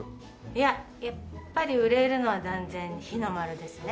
いややっぱり売れるのは断然日の丸ですね。